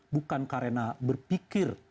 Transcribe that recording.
bukan karena berpikir